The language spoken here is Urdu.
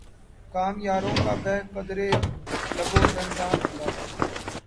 کام یاروں کا بہ قدرٕ لب و دنداں نکلا